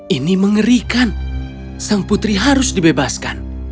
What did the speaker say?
ini mengerikan sang putri harus dibebaskan